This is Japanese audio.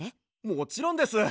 もちろんです！